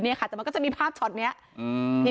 อันนี้ก็จะมีภาพเช่านี้